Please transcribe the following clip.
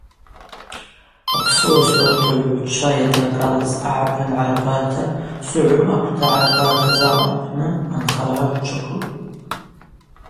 Апсыуа суратгӏвгӏвчва йадыргалыз Агӏапын гӏарбарта Согъвым аквта гӏарбарта зал апны анхара джвыквылтӏ.